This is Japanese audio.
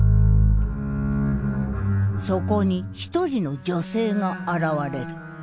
そこに一人の女性が現れる。